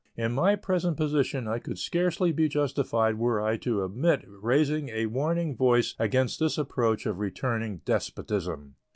In my present position I could scarcely be justified were I to omit raising a warning voice against this approach of returning despotism.